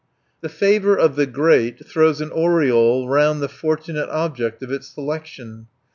The favour of the great throws an aureole round the fortunate object of its selection.